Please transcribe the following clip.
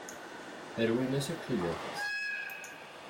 Rwin-as akk tudert-is.